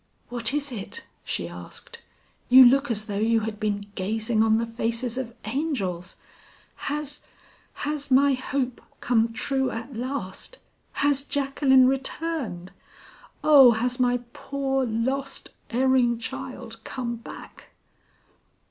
"What is it?" she asked; "you look as though you had been gazing on the faces of angels. Has has my hope come true at last? Has Jacqueline returned? Oh, has my poor, lost, erring child come back?"